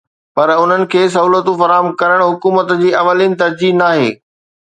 پر انهن کي سهولتون فراهم ڪرڻ حڪومت جي اولين ترجيح ناهي